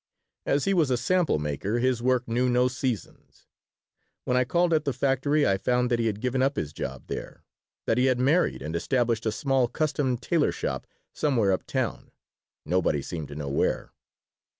As he was a sample maker, his work knew no seasons. When I called at that factory I found that he had given up his job there, that he had married and established a small custom tailor shop somewhere up town, nobody seemed to know where.